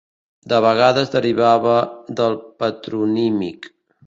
De vegades derivava del patronímic.